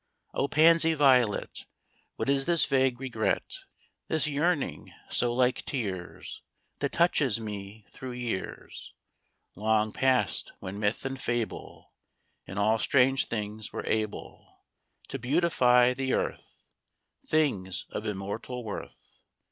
V O pansy violet, What is this vague regret, This yearning, so like tears, That touches me through years Long past, when myth and fable In all strange things were able To beautify the Earth, Things of immortal worth?